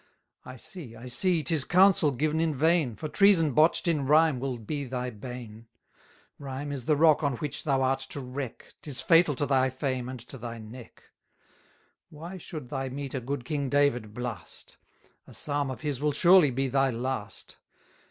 I see, I see, 'tis counsel given in vain, For treason botch'd in rhyme will be thy bane; Rhyme is the rock on which thou art to wreck, 'Tis fatal to thy fame and to thy neck: Why should thy metre good king David blast? A psalm of his will surely be thy last.